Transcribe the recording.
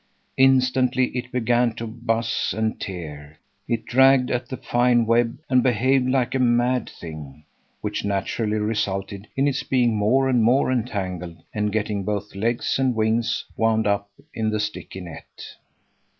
Instantly it began to buzz and tear; it dragged at the fine web and behaved like a mad thing, which naturally resulted in its being more and more entangled and getting both legs and wings wound up in the sticky net.